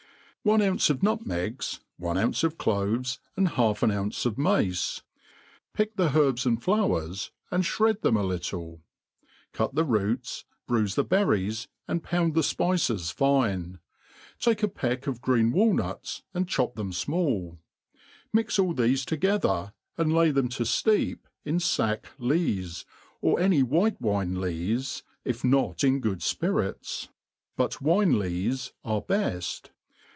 One ounce of nutmegs, on^ ounce of cloves, and half an ounce of mace ; pick the herbs and Howers, and thred them a little^ Cut the roots, bruife the berries, and pound the fpi^ies fine; take a peck of green walnuts, and chop them fmall ; mix all thefe to^ gether, and lay them to fteep ip fack lees, or any white wine lees, if not in good fpirrts ; but wint lees are btft.